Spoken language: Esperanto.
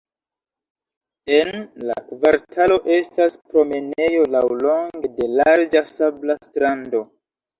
En la kvartalo estas promenejo laŭlonge de larĝa sabla strando.